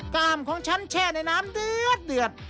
กล้ามของฉันแช่ในน้ำเดือด